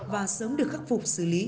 và sớm được khắc phục xử lý